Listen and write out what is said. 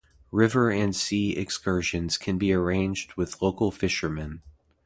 River and sea excursions can be arranged with local fishermen.